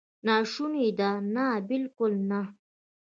ناشونې ده؟ نه، بالکل نه!